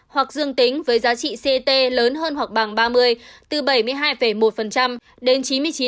hoặc dương tính với giá trị ct lớn hơn hoặc bằng ba mươi từ bảy mươi hai một đến chín mươi chín